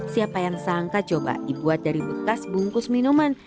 siapa yang sangka coba dibuat dari bekas bungkus minuman